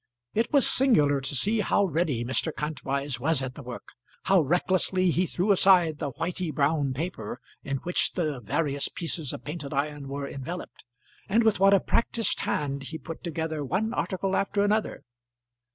It was singular to see how ready Mr. Kantwise was at the work, how recklessly he threw aside the whitey brown paper in which the various pieces of painted iron were enveloped, and with what a practised hand he put together one article after another.